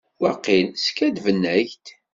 Waqil skaddben-ak-d.